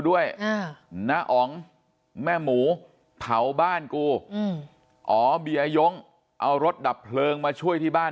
ด้วยน้าอ๋องแม่หมูเผาบ้านกูเอารถดับเผลอมาช่วยที่บ้าน